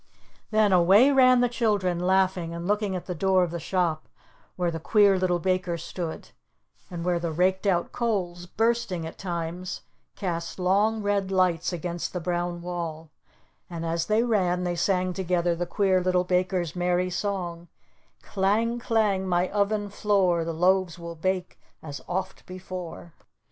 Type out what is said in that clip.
Then away ran the children, laughing, and looking at the door of the shop where the Queer Little Baker stood, and where the raked out coals, bursting at times, cast long, red lights against the brown wall, and as they ran they sang together the Queer Little Baker's merry song: "Clang, clang, my oven floor, The loaves will bake as oft before."